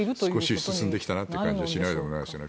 少し進んできたなという感じがしないでもないですね。